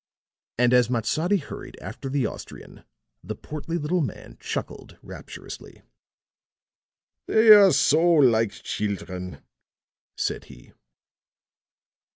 And as Matsadi hurried after the Austrian, the portly little man chuckled rapturously. "They are so like children," said he.